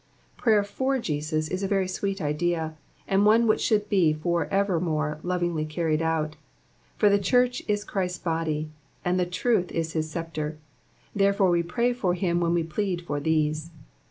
Prayer for Jesus 18 a very sweet idea, and one which should be for evermore lovingly carried out ; for the church is Christ's body, and the truth is his sceptre ; therefore we pmy for him when we pleud for these.